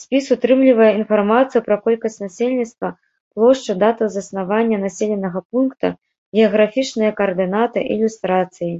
Спіс утрымлівае інфармацыю пра колькасць насельніцтва, плошчу, дату заснавання населенага пункта, геаграфічныя каардынаты, ілюстрацыі.